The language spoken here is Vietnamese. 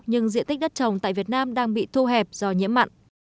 nhưng diện tích đất trồng tại việt nam đang bị thu hẹp do nhiễm mặn